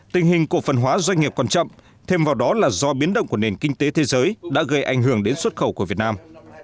tình hình cổ phần hóa doanh nghiệp còn chậm thêm vào đó là do biến động của nền kinh tế thế giới đã gây ảnh hưởng đến xuất khẩu của việt nam